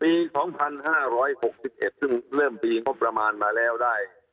ปีสองพันห้าร้อยหกสิบเจ็ดซึ่งเริ่มปีงบประมาณมาแล้วได้